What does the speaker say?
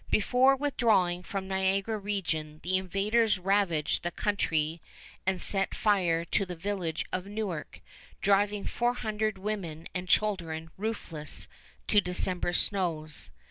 Before withdrawing from Niagara region the invaders ravage the country and set fire to the village of Newark, driving four hundred women and children roofless to December snows.